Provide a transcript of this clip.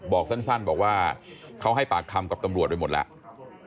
บอกสั้นบอกว่าเขาให้ปากคำกับตำรวจไปหมดแล้ว